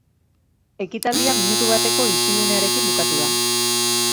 Ekitaldia minutu bateko isilunearekin bukatu da.